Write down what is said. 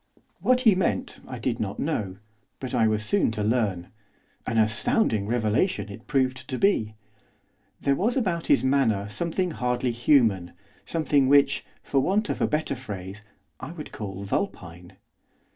What he meant I did not know; but I was soon to learn, an astounding revelation it proved to be. There was about his manner something hardly human; something which, for want of a better phrase, I would call vulpine.